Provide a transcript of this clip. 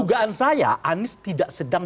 dugaan saya anies tidak sedang